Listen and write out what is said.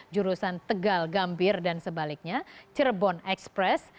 jurusan tegal gambir dan sebaliknya cirebon express